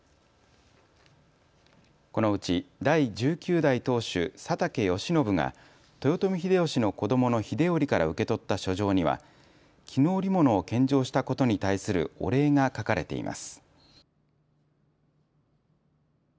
このうち第１９代当主、佐竹義宣が豊臣秀吉の子どもの秀頼から受け取った書状には絹織物を献上したことに対するお礼が書かれています。